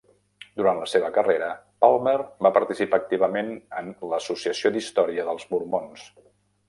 Durant la seva carrera, Palmer va participar activament en l'Associació d'Història dels Mormons.